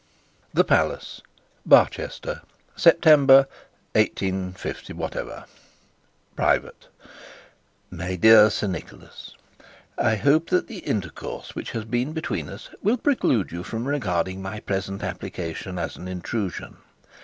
'Palace, Barchester, Sept 185 , '(Private) 'My dear Sir Nicholas, I hope that the intercourse which has been between us will preclude you from regarding my present application as an intrusion.